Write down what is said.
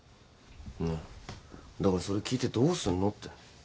ねえだからそれ聞いてどうすんのって。